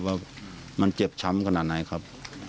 ว่ามันเจ็บช้ำขนาดไหนครับ